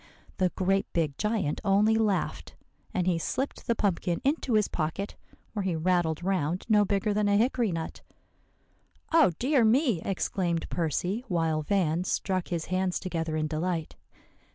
"The great big giant only laughed; and he slipped the pumpkin into his pocket, where he rattled round no bigger than a hickory nut." "Oh, dear me!" exclaimed Percy, while Van struck his hands together in delight.